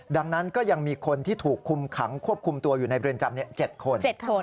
ดังนั้นก็ยังมีคนที่ถูกคุมขังควบคุมตัวอยู่ในเรือนจำ๗คน